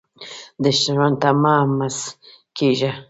دښمن ته مه مسکېږه